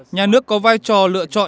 nhà nước có vai trò lựa chọn